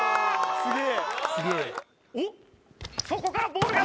すげえ！